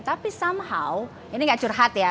tapi somehow ini gak curhat ya